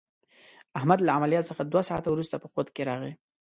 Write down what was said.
احمد له عملیات څخه دوه ساعته ورسته په خود کې راغی.